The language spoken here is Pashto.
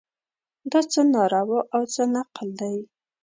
دا څه ناره او څه نقل دی.